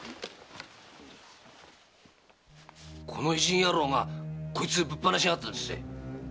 この異人野郎がこいつをぶっ放しやがったんですぜ。